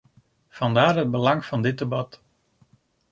Vandaar het belang van dit debat.